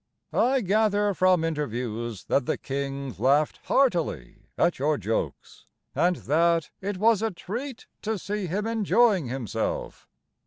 I gather from interviews That the King "laughed heartily" at your jokes, And that "it was a treat to see him enjoying himself."